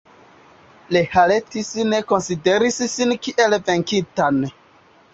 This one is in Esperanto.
Rhalettis ne konsideris sin kiel venkitan.